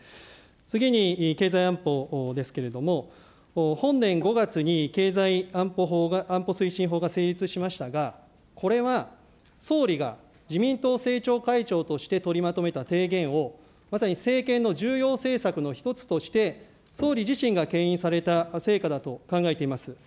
次に、経済安保ですけれども、本年５月に経済安保推進法が成立しましたが、これは総理が自民党政調会長として取りまとめた提言を、まさに政権の重要政策の一つとして、総理自身がけん引された成果だと考えています。